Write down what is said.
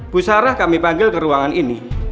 bu sarah kami panggil ke ruangan ini